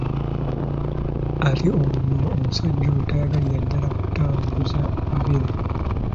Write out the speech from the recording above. Ate nno omusajja oyo tayagalira ddala kutambuza bigere.